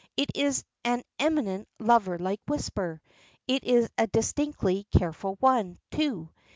It is an eminently lover like whisper; it is a distinctly careful one, too.